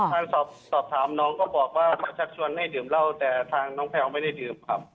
การสอบถามน้องก็บอกว่าเขาชักชวนให้ดื่มเหล้าแต่ทางน้องแพลวไม่ได้ดื่มครับ